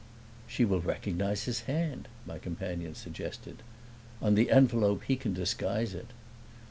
"She will recognize his hand," my companion suggested. "On the envelope he can disguise it."